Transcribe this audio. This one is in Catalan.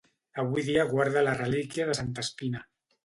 Avui dia guarda la relíquia de la Santa Espina.